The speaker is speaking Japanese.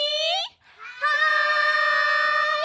はい！